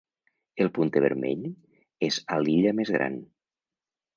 El punter vermell és a l'illa més gran.